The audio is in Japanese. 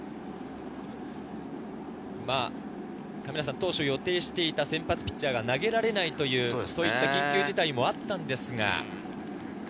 当初予定していた先発ピッチャーが投げられないという緊急事態もあったのですが。